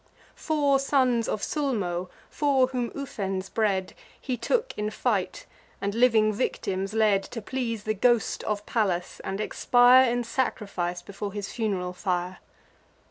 Four sons of Sulmo, four whom Ufens bred, He took in fight, and living victims led, To please the ghost of Pallas, and expire, In sacrifice, before his fun'ral fire.